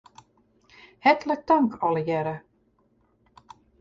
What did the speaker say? Hertlik tank allegearre.